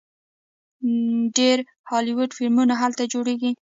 ډیر هالیوډ فلمونه هلته جوړیږي.